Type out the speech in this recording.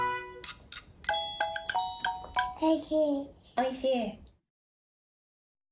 おいしい。